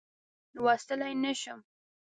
لوستلای نه شم.